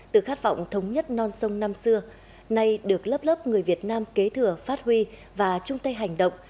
từ khát vọng thống nhất non sông năm xưa nay được lớp lớp người việt nam kế thừa phát huy và chung tay hành động